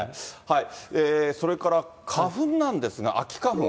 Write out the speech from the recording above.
それから、花粉なんですが、秋花粉。